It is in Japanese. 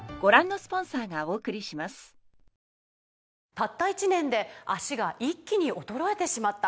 「たった１年で脚が一気に衰えてしまった」